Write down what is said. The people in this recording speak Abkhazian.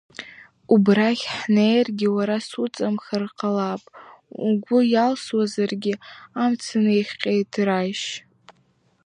Убрахь ҳнеиргьы уара суҵамхар ҟалап, угәы иалсуазаргьы, амца неихҟьеит Рашь.